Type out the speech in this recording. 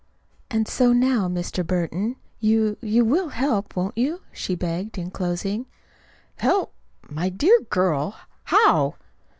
"And so now, Mr. Burton, you you will help, won't you?" she begged, in closing. "Help! But my dear girl, how?"